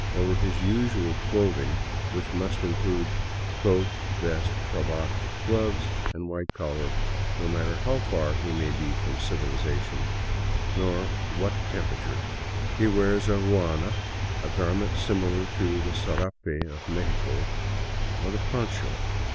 Over his usual clothing, which must include coat, vest, cravat, gloves, and white collar, no matter how far he may be from civilization nor what the temperature, he wears a ruana, a garment similar to the sarape of Mexico, or the poncho.